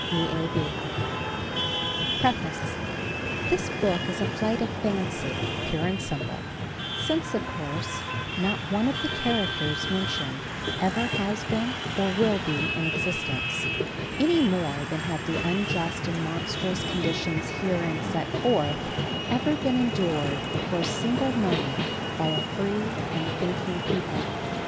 U \of PREFACE This book is a flight of fancy, pure and simple, since, of course, not one of the characters mentioned ever has been or will be in existence — any more than have the unjust and monstrous conditions herein set forth ever been endured for a single moment by a free and thinking people.